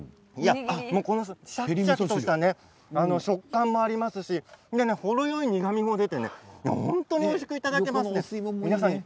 このシャキシャキとした食感もありますし程よい苦みも出て本当においしくいただけますね。